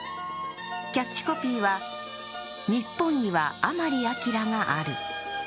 キャッチコピーは日本には甘利明がある。